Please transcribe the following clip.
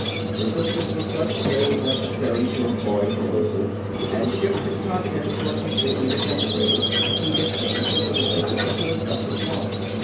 resistance was such that it was necessary to employ corrosive, and ship and contents were completely disintegrated," he dictated, a little later, into his vessel's log.